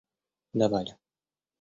давали